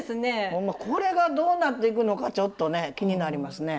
ほんまこれがどうなっていくのかちょっとね気になりますね。